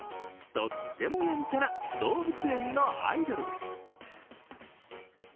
とってもやんちゃな動物園のアイドルです。